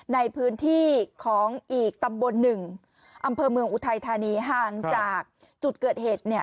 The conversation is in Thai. ในพื้นที่ของอีกตำบลหนึ่งอำเภอเมืองอุทัยธานีห่างจากจุดเกิดเหตุเนี่ย